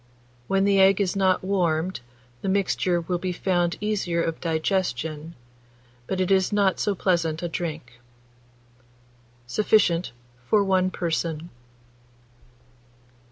When the egg is not warmed, the mixture will be found easier of digestion, but it is not so pleasant a drink. Sufficient for 1 person.